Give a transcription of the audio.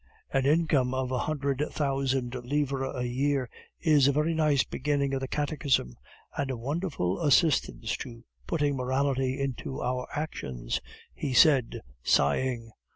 "An income of a hundred thousand livres a year is a very nice beginning of the catechism, and a wonderful assistance to putting morality into our actions," he said, sighing.